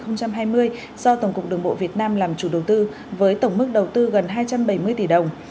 năm hai nghìn hai mươi do tổng cục đường bộ việt nam làm chủ đầu tư với tổng mức đầu tư gần hai trăm bảy mươi tỷ đồng